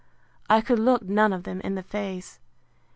I could look none of them in the face.